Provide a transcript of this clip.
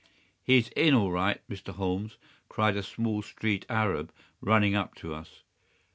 "He's in all right, Mr. Holmes," cried a small street Arab, running up to us.